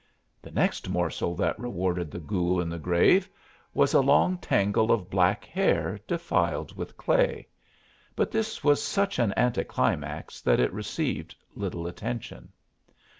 The next morsel that rewarded the ghoul in the grave was a long tangle of black hair defiled with clay: but this was such an anti climax that it received little attention.